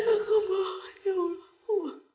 aku mohon ya allah